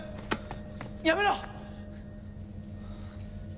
やめろ！